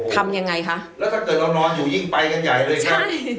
ทำยังไงคะแล้วถ้าเกิดเรานอนอยู่ยิ่งไปกันใหญ่เลยครับ